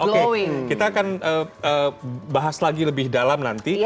oke kita akan bahas lagi lebih dalam nanti